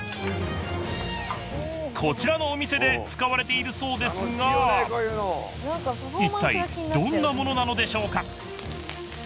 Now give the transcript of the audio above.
こちらのお店で使われているそうですがいったいどんなものなのでしょうか？